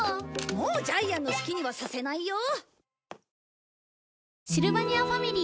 もうジャイアンの好きにはさせないよ。